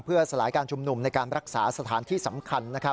เพื่อสลายการชุมนุมในการรักษาสถานที่สำคัญ